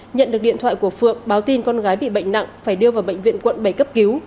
nhận được điện thoại của phượng báo tin con gái bị bệnh nặng phải đưa vào bệnh viện quận bảy cấp cứu